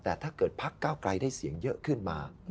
แต่ถ้าเกิดพักเก้าไกลได้เสียงเยอะขึ้นมา